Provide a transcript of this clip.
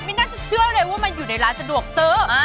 ไม่น่าจะเชื่อเลยว่ามันอยู่ในร้านสะดวกซื้อ